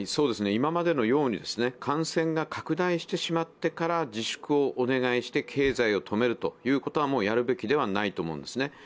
今までのように感染が拡大してしまってから自粛をお願いして経済を止めるということはもうやるべきではないと思うんですね。